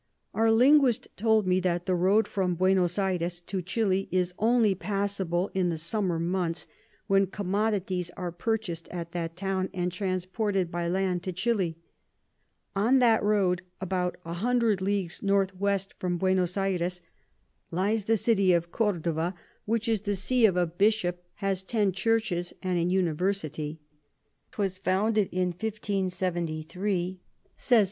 Our Linguist told me that the Road from Buenos Ayres to Chili is only passable in the Summer Months, when Commodities are purchas'd at that Town, and transported by Land to Chili. On that Road about 100 Leagues N. W. from Buenos Ayres lies the City of Cordoua, which is the See of a Bishop, has ten Churches, and an University. 'Twas founded in 1573. says F.